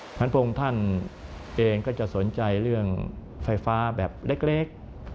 เพราะฉะนั้นพระองค์ท่านเองก็จะสนใจเรื่องไฟฟ้าแบบเล็ก